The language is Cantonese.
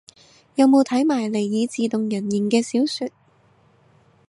有冇睇埋尼爾自動人形嘅小說